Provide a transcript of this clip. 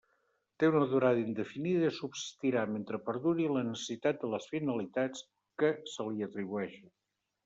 Té una durada indefinida i subsistirà mentre perduri la necessitat de les finalitats que se li atribueixen.